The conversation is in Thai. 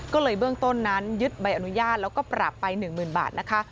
ก็เลยเบื้องต้นนั้นยึดใบอนุญาตแล้วก็ปรับไป๑๐๐๐บาทนะคะ